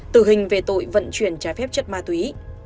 tử hình về tội vận chuyển trái phép chất ma túy